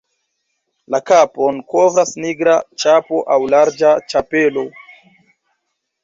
La kapon kovras nigra ĉapo aŭ larĝa ĉapelo.